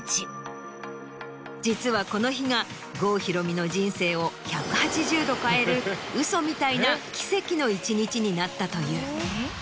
実はこの日が郷ひろみの人生を１８０度変えるウソみたいな奇跡の１日になったという。